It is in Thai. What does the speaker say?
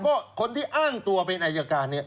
ก็คนที่อ้างตัวเป็นอายการเนี่ย